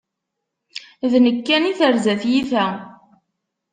D nekk kan i terza tyita!